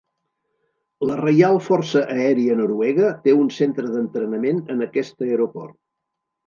La Reial Força Aèria Noruega té un centre d'entrenament en aquest aeroport.